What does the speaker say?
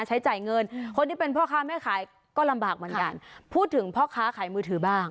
ใช้จ่ายเงินคนที่เป็นพ่อค้าแม่ขายก็ลำบากเหมือนกันพูดถึงพ่อค้าขายมือถือบ้าง